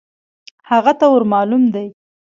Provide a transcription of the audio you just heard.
هغه ته ور مالوم دی .